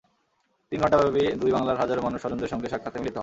তিন ঘণ্টাব্যাপী দুই বাংলার হাজারো মানুষ স্বজনদের সঙ্গে সাক্ষাতে মিলিত হন।